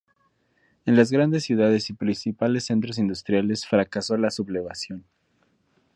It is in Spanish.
En las grandes ciudades y principales centros industriales fracasó la sublevación.